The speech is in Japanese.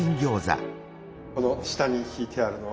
あの下にひいてあるのは。